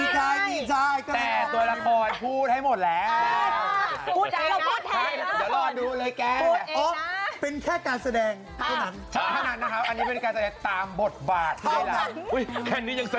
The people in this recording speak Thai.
แค่นี้ยังสนุกเลยหรอ